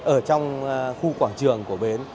ở trong khu quảng trường của bến